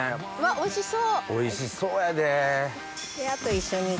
おいしそう！